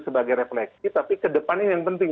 sebagai refleksi tapi ke depannya yang penting